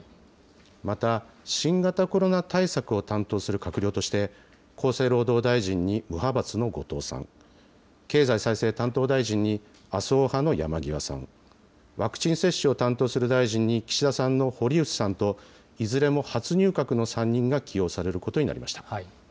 また、新型コロナ対策を担当する閣僚として、厚生労働大臣に無派閥の後藤さん、経済再生担当大臣に麻生派の山際さん、ワクチン接種を担当する大臣に岸田派の堀内さんと、いずれも初入閣の３人が起用されることになりました。